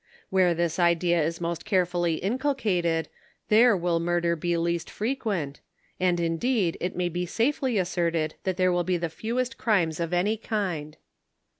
Where this idea is most carefully inculcated, there will murder be least frequent, and indeed it may be safely asserted that ^there will be the fewest crimes of any kind.